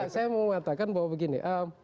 saya mau mengatakan bahwa begini